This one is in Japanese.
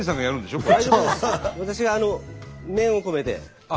私が念を込めて。